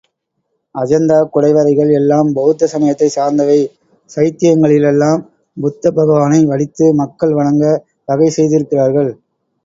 அஜந்தா குடைவரைகள் எல்லாம் பௌத்த சமயத்தைச் சார்ந்தவை, சைத்தியங்களிலெல்லாம் புத்த பகவானை வடித்து மக்கள் வணங்க வகை செய்திருக்கிறார்கள்.